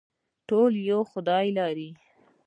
ټول یو خدای لري